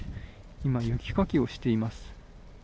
今、雪かきをしています。